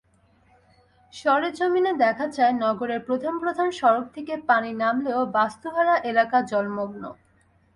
সরেজমিনে দেখা যায়, নগরের প্রধান প্রধান সড়ক থেকে পানি নামলেও বাস্তুহারা এলাকা জলমগ্ন।